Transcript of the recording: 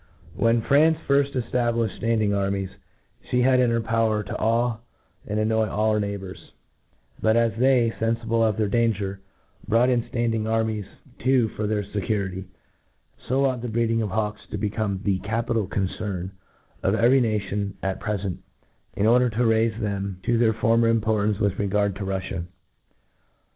When France * firft LNTRODUCTIONr m$ prtt cft^bliflied ftaiiding aifmies^ flic hsd it in her power to overawe and annoy all her neighbours j but as they, fenfible of their danger, brought inf {landing armies too for their fecurity— «»r fo ought the breeding of hawks to become the eapita| concern of every nation at prefcnt, in order tOf raifc them to their former importance with rcr gard to RuflSa.